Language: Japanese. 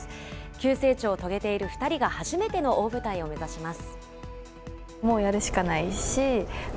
急成長を遂げている２人が初めての大舞台を目指します。